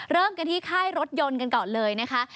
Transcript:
เริ่มกันที่ค่ายรถยนต์กันก่อนเลยนะคะ